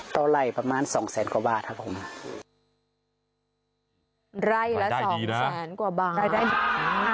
ต่อไล่ประมาณสองแสนกว่าบาทครับผมไล่ละสองแสนกว่าบาทไล่ได้ดีนะ